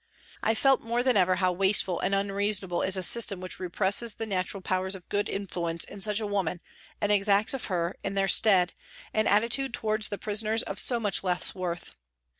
I felt more than ever how wasteful and unreasonable is a " A TRACK TO THE WATER'S EDGE " 161 system which represses the natural powers of good influence in such a woman and exacts of her, in their stead, an attitude towards the prisoners of so much less worth.